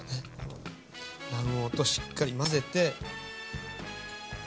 卵黄としっかり混ぜて。